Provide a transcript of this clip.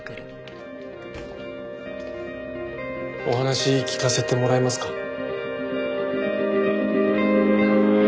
お話聞かせてもらえますか？